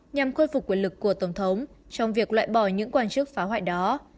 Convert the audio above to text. nhằm khôi phục quyền lực của tổng thống trong việc loại bỏ những quan chức phá hoại đó